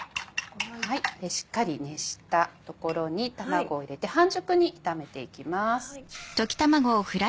しっかり熱した所に卵を入れて半熟に炒めていきます。